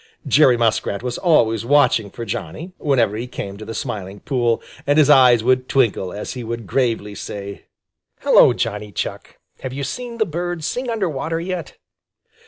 Jerry Muskrat was always watching for Johnny, whenever he came to the Smiling Pool, and his eyes would twinkle as he would gravely say: "Hello, Johnny Chuck! Have you seen the birds sing under water yet?"